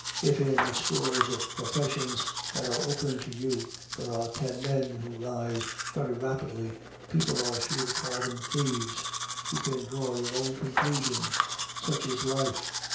If in the scores of professions that are open to you, there are ten men who rise very rapidly, people are sure to call them thieves. You can draw your own conclusions. Such is life.